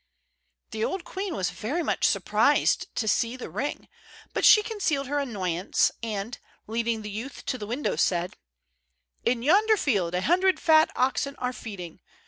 The old queen was very much surprised to see the ring, but she concealed her annoyance, and, leading the youth to the window, said: "In yonder field a hundred fat oxen are feeding.